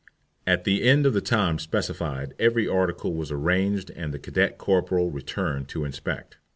At the end of the time specified every article was arranged and the cadet corporal returned to inspect.